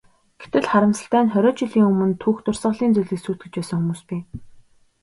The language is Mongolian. Гэтэл, харамсалтай нь хориод жилийн өмнө түүх дурсгалын зүйлийг сүйтгэж байсан хүмүүс бий.